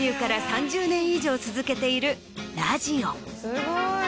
すごい。